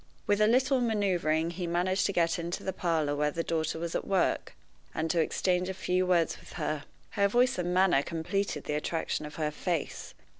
With a little maneuvering he managed to get into the parlor where the daughter was at work, and to exchange a few words with her. Her voice and manner completed the attraction of her face.